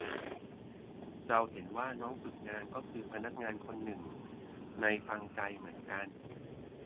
เราเห็นว่าน้องฝึกงานก็คือพนักงานคนหนึ่งในฟังใจเหมือนกัน